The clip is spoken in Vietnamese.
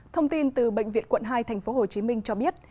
thông tin từ bệnh viện quận hai tp hcm cho biết